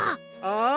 ああ！